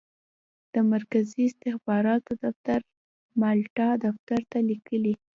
د مرکزي استخباراتو دفتر مالټا دفتر ته لیکي.